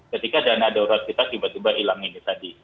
ketika dana darurat kita tiba tiba hilang ini tadi